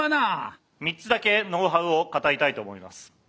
３つだけノウハウを語りたいと思います。